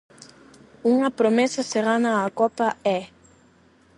Unha promesa se gana a copa é...